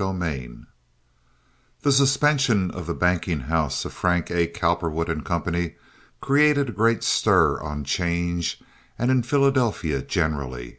Chapter XXXI The suspension of the banking house of Frank A. Cowperwood & Co. created a great stir on 'change and in Philadelphia generally.